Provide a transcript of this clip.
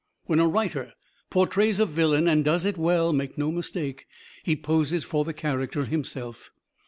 When a writer portrays a villain and does it well make no mistake, he poses for the character himself.